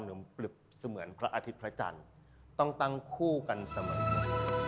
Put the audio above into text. หนุ่มปริบเสมือนพระอาทิตย์พระจันทร์ต้องตั้งคู่กันเสมอ